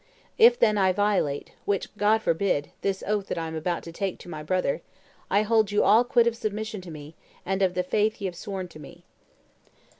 If, then, I violate which God forbid this oath that I am about to take to my brother, I hold you all quit of submission to me and of the faith ye have sworn to me."